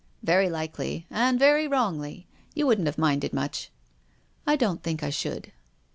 " Very likely, and very wrongly. You wouldn't have minded much." " I don't think I should."